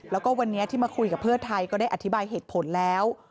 แล้วก็วันนี้ที่มาคุยกับเพื่อไทยก็ได้อธิบายเหตุผลแล้ว